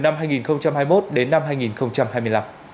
năm hai nghìn hai mươi một đến năm hai nghìn hai mươi năm